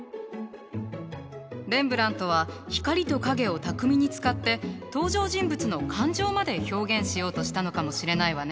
レンブラントは光と影を巧みに使って登場人物の感情まで表現しようとしたのかもしれないわね。